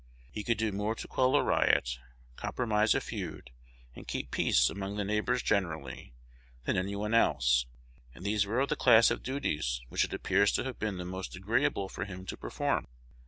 He could do more to quell a riot, compromise a feud; and keep peace among the neighbors generally, than any one else; and these were of the class of duties which it appears to have been the most agreeable for him to perform.